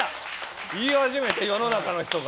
言い始めて、世の中の人が。